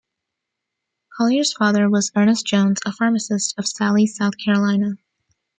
Collier's father was Ernest Jones, a pharmacist, of Salley, South Carolina.